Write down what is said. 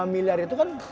lima miliar itu kan